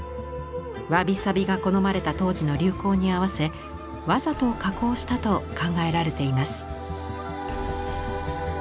わびさびが好まれた当時の流行に合わせわざと加工したと考えられています。